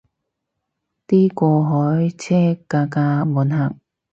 啲過海車架架客滿